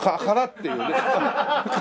からっていうね。